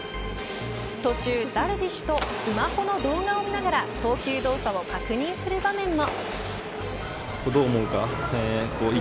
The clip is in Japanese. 途中、ダルビッシュとスマホの動画を見ながら投球動作を確認する場面も。